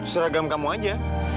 seragam kamu aja